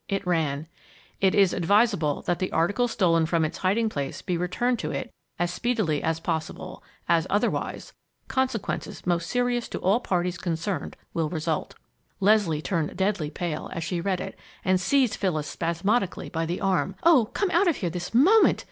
It ran: It is advisable that the article stolen from its hiding place be returned to it as speedily as possible, as otherwise, consequences most serious to all parties concerned will result. Leslie turned deadly pale as she read it and seized Phyllis spasmodically by the arm. "Oh, come out of here this moment!"